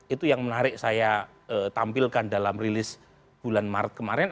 itu yang menarik saya tampilkan dalam rilis bulan maret kemarin